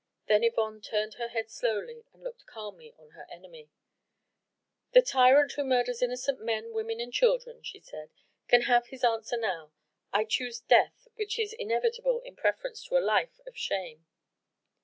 Then Yvonne turned her head slowly and looked calmly on her enemy. "The tyrant who murders innocent men, women and children," she said, "can have his answer now. I choose death which is inevitable in preference to a life of shame."